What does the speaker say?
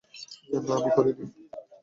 না আমি করিনি।